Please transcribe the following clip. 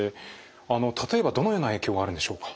あの例えばどのような影響があるんでしょうか？